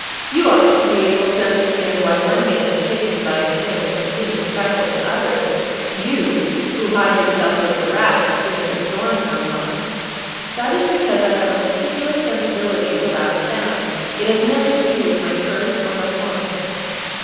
"You ought to be able to understand why one man is shaken by a thing that seems a trifle to others—you who hide yourself with the rats as soon as a storm comes on." "That is because I have a particular sensibility to loud sounds; it has nothing to do with my courage or my conscience."